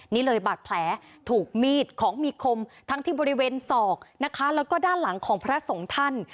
นี่เลยบาดแผลถูกมีดของมีคมทั้งที่บริเวณศอกนะคะแล้วก็ด้านหลังของพระสงฆ์ท่าน